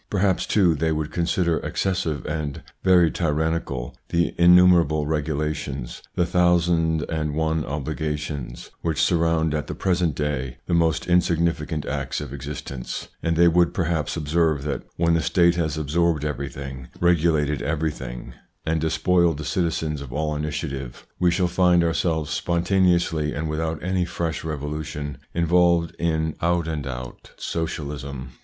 Perhaps, too, they would consider excessive and very tyrannical the innumerable regulations, the thousand and one obligations which surround at the present day the most insignificant acts of existence, and they would perhaps observe that when the State has absorbed everything, regulated everything, and 134 THE PSYCHOLOGY OF PEOPL despoiled the citizens of all initiative, we shall find ourselves spontaneously, and without any fresh revolution, involved in out and out Socialism.